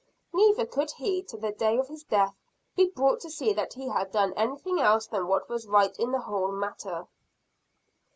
Neither could he, to the day of his death, be brought to see that he had done anything else than what was right in the whole matter.